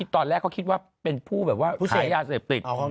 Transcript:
ตอนแรกเขาคิดว่าเป็นผู้ขายยาเสพติด